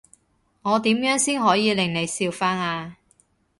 我點樣先可以令你笑返呀？